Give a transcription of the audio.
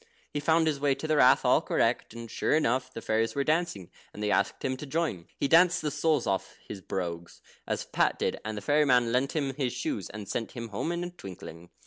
He found his way to the Rath all correct, and sure enough the fairies were dancing, and they asked him to join. He danced the soles off his brogues, as Pat did, and the fairy man lent him his shoes, and sent him home in a twinkling.